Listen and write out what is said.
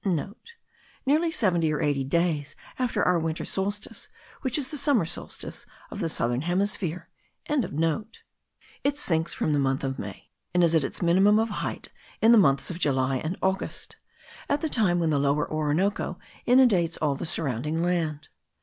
*(* Nearly seventy or eighty days after our winter solstice, which is the summer solstice of the southern hemisphere.) It sinks from the month of May, and is at its minimum of height in the months of July and August, at the time when the Lower Orinoco inundates all the surrounding land.